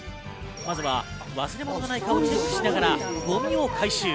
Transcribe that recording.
まずは忘れ物がないかをチェックしながら、ゴミを回収。